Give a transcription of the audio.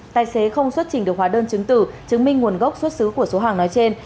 tài xế không xuất trình được hóa đơn chứng tử chứng minh nguồn gốc xuất xứ của số hàng nói trên